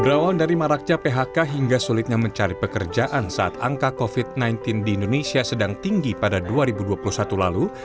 berawal dari maraknya phk hingga sulitnya mencari pekerjaan saat angka covid sembilan belas di indonesia sedang tinggi pada dua ribu dua puluh satu lalu